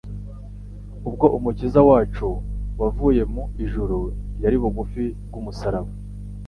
Ubwo Umukiza wacu wavuye mu ijuru yari bugufi bw'umusaraba.